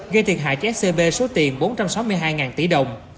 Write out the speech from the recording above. gây thiệt hại cho scb số tiền bốn trăm sáu mươi hai tỷ đồng